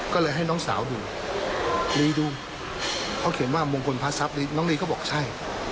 ก็เลยให้น้องสาวดูลีดูเขาเขียนว่ามงคลพระทรัพย์น้องลีก็บอกใช่